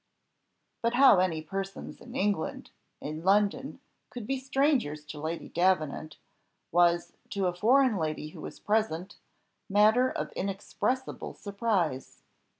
But how any persons in England in London could be strangers to Lady Davenant, was to a foreign lady who was present, matter of inexpressible surprise.